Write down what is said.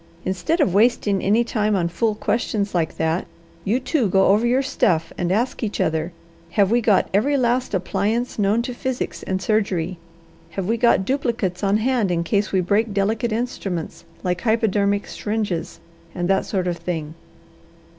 Instead of wasting any time on fool questions like that, you two go over your stuff and ask each other, have we got every last appliance known to physics and surgery? Have we got duplicates on hand in case we break delicate instruments like hypodermic syringes and that sort of thing?